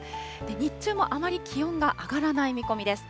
日中もあまり気温が上がらない見込みです。